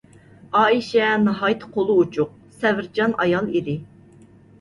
ئائىشە ناھايىتى قولى ئوچۇق، سەۋرچان ئايال ئىدى.